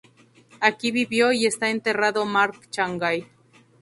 Aquí vivió y está enterrado Marc Chagall.